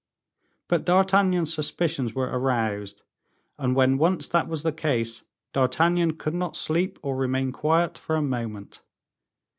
But D'Artagnan's suspicions were aroused, and when once that was the case, D'Artagnan could not sleep or remain quiet for a moment.